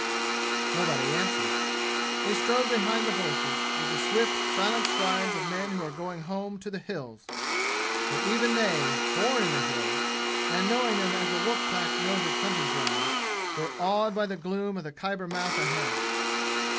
Nobody answered. They strode behind the horses, with the swift silent strides of men who are going home to the "Hills"; but even they, born in the "Hills"' and knowing them as a wolf pack knows its hunting ground, were awed by the gloom of Khyber mouth ahead.